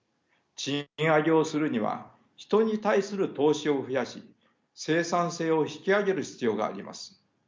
賃上げをするには人に対する投資を増やし生産性を引き上げる必要があります。